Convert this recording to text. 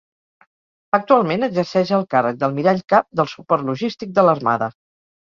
Actualment exerceix el càrrec d'almirall cap del Suport Logístic de l'Armada.